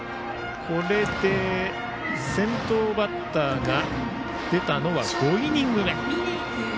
これで先頭バッターが出たのは５イニング目。